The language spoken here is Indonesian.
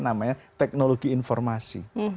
namanya teknologi informasi